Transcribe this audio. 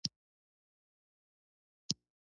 تنور د شته امکاناتو سره جوړ شوی هنر دی